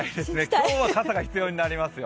今日は傘が必要になりますよ。